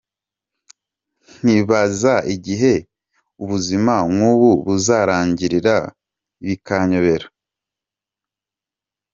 Nkibaza igihe ubuzima nk’ubu buzarangirira bikanyobera.